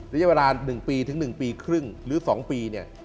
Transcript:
ระยะเวลา๑ปีถึง๑ปีครึ่งหรือ๒ปีเนี่ย